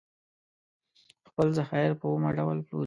خپل ذخایر په اومه ډول پلوري.